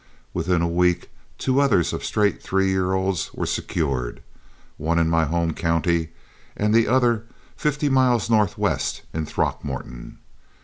Within a week two others of straight three year olds were secured, one in my home county and the other fifty miles northwest in Throckmorton.